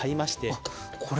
あっこれ